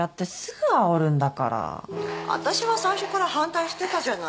私は最初から反対してたじゃない。